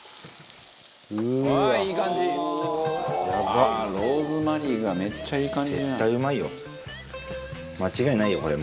「ああローズマリーがめっちゃいい感じじゃん」